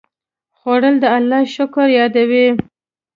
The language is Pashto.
خوړل د الله شکر یادوي